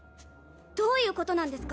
どういうことなんですか？